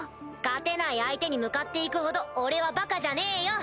勝てない相手に向かって行くほど俺はバカじゃねえよ。